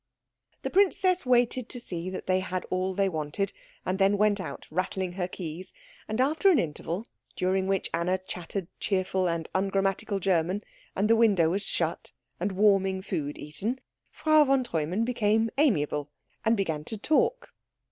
The princess waited to see that they had all they wanted, and then went out rattling her keys; and after an interval, during which Anna chattered cheerful and ungrammatical German, and the window was shut, and warming food eaten, Frau von Treumann became amiable and began to talk.